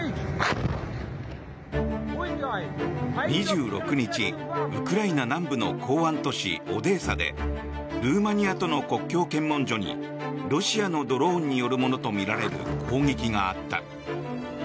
２６日、ウクライナ南部の港湾都市オデーサでルーマニアとの国境検問所にロシアのドローンによるものとみられる攻撃があった。